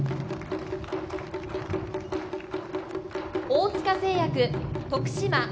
大塚製薬・徳島。